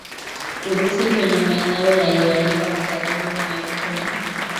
Urusi kwenye maeneo yaliyolenga magharibi mwa Ukraine